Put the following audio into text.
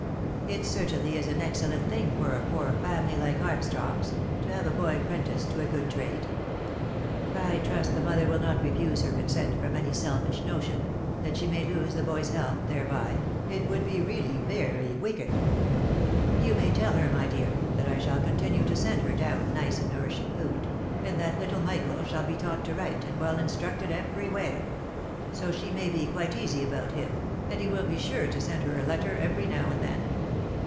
It certainly is an excellent thing for a poor family like Armstrong's, to have a boy 'prenticed to a good trade. I trust the mother will not refuse her consent from any selfish notion, that she may lose the boy's help thereby, it would be really very wicked. You may tell her, my dear, that I shall continue to send her down nice and nourishing food, and that little Michael shall be taught to write, and well instructed every way ; so she may be quite easy about him, and he will be sure to send her a letter every now and then."